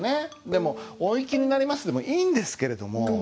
でも「お行きになります」でもいいんですけれどもえ。